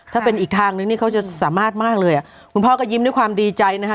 ถ้าเป็นอีกทางนึงนี่เขาจะสามารถมากเลยอ่ะคุณพ่อก็ยิ้มด้วยความดีใจนะคะ